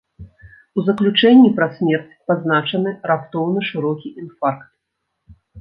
У заключэнні пра смерць пазначаны раптоўны шырокі інфаркт.